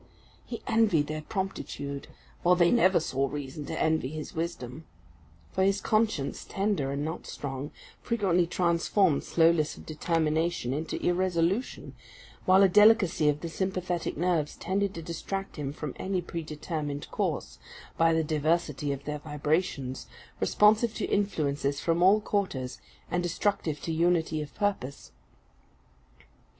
He envied their promptitude, while they never saw reason to envy his wisdom; for his conscience, tender and not strong, frequently transformed slowness of determination into irresolution: while a delicacy of the sympathetic nerves tended to distract him from any predetermined course, by the diversity of their vibrations, responsive to influences from all quarters, and destructive to unity of purpose.